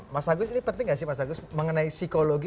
mas agus ini penting gak sih mas agus mengenai psikologi